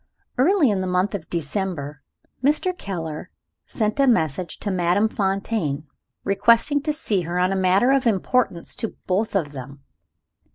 Early in the month of December, Mr. Keller sent a message to Madame Fontaine, requesting to see her on a matter of importance to both of them.